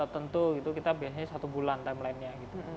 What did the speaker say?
tentu kita biasanya satu bulan timeline nya